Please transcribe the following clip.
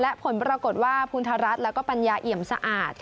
และผลปรากฏว่าภูมิธรรัฐและปัญญาเหยียมสะอาด